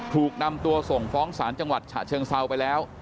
ถูกนำตัวส่งฟ้องศาลจังหวัดฉะเชิงเซาไปแล้ว